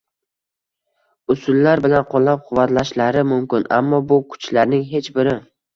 usullar bilan qo‘llab-quvvatlashlari mumkin. Ammo bu kuchlarning hech biri